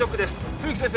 冬木先生